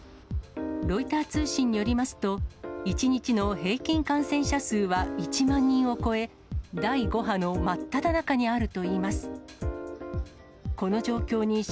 ロイター通信によりますと、１日の平均感染者数は１万人を超え、第５波の真っただ中にあるといいます。